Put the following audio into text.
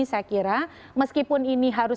saya kira meskipun ini harus